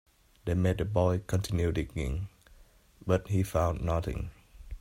They made the boy continue digging, but he found nothing.